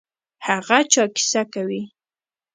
هغه چا کیسه کوي.